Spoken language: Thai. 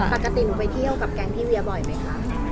ปกติหนูไปเที่ยวกับแก๊งพี่เวียบ่อยไหมคะ